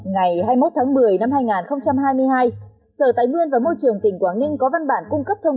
ngày hai mươi một tháng một mươi năm hai nghìn hai mươi hai sở tài nguyên và môi trường tỉnh quảng ninh có văn bản cung cấp thông